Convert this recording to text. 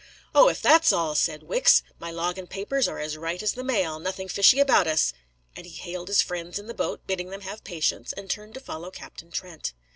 "O, if that's all!" said Wicks. "My log and papers are as right as the mail; nothing fishy about us." And he hailed his friends in the boat, bidding them have patience, and turned to follow Captain Trent.